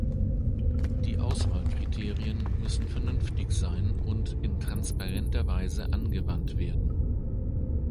Die Auswahlkriterien müssen vernünftig sein und in transparenter Weise angewandt werden.